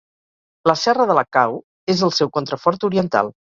La Serra de la Cau és el seu contrafort oriental.